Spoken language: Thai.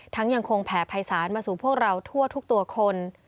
ทั้งยังคงแผ่ภายศาสตร์มาสู่พวกเราทั่วทุกตัวคน